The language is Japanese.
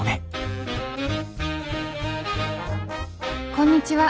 こんにちは。